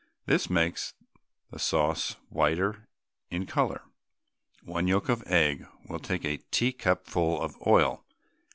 This makes the sauce whiter in colour. One yolk of egg will take a teacupful of oil.